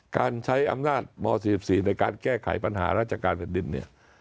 การใช้อำนาจม๔๔ในการแก้ไขปัญหาราชการแผ่นดินเนี่ย